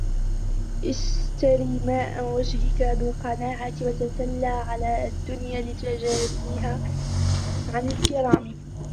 اشْتَرِ مَاءَ وَجْهِك بِالْقَنَاعَةِ وَتَسَلَّ عَنْ الدُّنْيَا لِتَجَافِيهَا عَنْ الْكِرَامِ